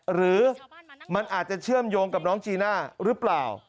หรือมันอาจจะเชื่อมโยงกับน้องจีน่าหรือเปล่า